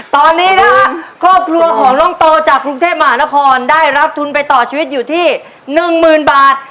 ตอนนี้นะฮะครอบครัวของน้องโตจากกรุงเทพมหานครได้รับทุนไปต่อชีวิตอยู่ที่๑๐๐๐บาท